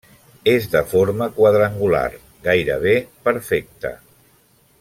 És de forma quadrangular, gairebé perfecta.